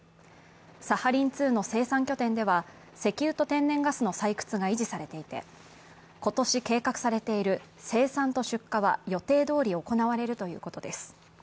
サハリン２の生産拠点では石油と天然ガスの採掘が維持されていて、今年計画されている生産と出荷は予定どおり行われるということです。